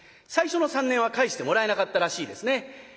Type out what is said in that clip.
最初の３年は帰してもらえなかったらしいですね。